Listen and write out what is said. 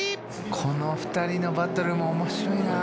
この２人のバトルもおもしろいなぁ。